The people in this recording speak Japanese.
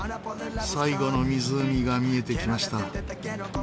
最後の湖が見えてきました。